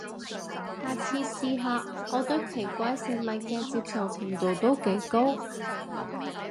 下次試下，我對奇怪食物嘅接受程度都幾高